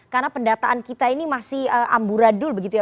karena pendataan kita ini masih amburadul begitu ya